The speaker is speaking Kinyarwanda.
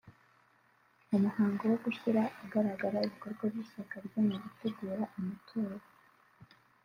mu muhango wo gushyira ahagaragara ibikorwa by’ishyaka rye mu gutegura amatora